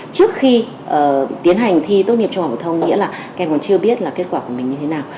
trước khi tiến hành thi tốt nghiệp trung học phổ thông nghĩa là các em còn chưa biết là kết quả của mình như thế nào